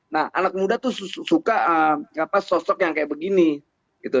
nah anak muda tuh suka sosok yang kayak begini gitu